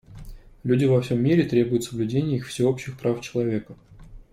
Люди во всем мире требуют соблюдения их всеобщих прав человека.